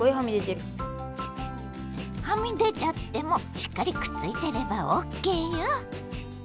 はみ出ちゃってもしっかりくっついてればオッケーよ。